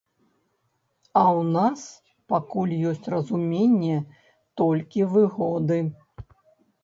А ў нас пакуль ёсць разуменне толькі выгоды.